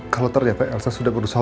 kalau ternyata elsa sudah berusaha